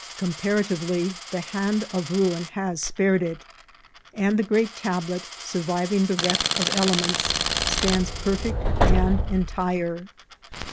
Comparatively, the hand of ruin has spared it, and the great tablet, surviving the wreck of elements, stands perfect and entire.